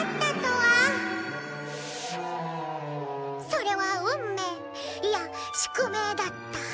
それは運命いや宿命だった。